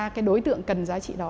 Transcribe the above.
cái đối tượng cần giá trị đó